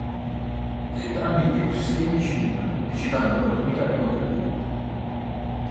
Entrambi gli ecosistemi ci nutrono e ci danno l'opportunità di contribuire.